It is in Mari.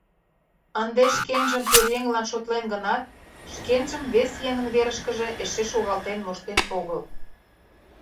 Ынде шкенжым пӧръеҥлан шотлен гынат, шкенжым вес еҥын верышкыже эше шогалтен моштен огыл.